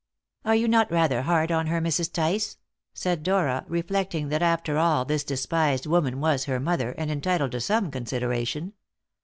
"Are you not rather hard on her, Mrs. Tice?" said Dora, reflecting that after all this despised woman was her mother, and entitled to some consideration.